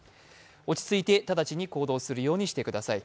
落ち着いて直ちに行動するようにしてください。